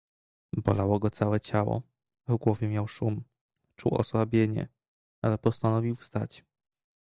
"Bolało go całe ciało, w głowie miał szum, czuł osłabienie, ale postanowił wstać."